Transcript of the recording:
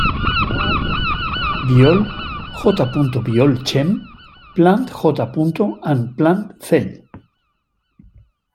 Biol, J. Biol Chem, Plant J. and Plant Cell.